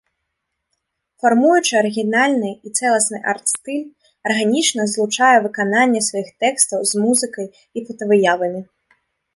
Фармуючы арыгінальны і цэласны арт-стыль, арганічна злучае выкананне сваіх тэкстаў з музыкай і фотавыявамі.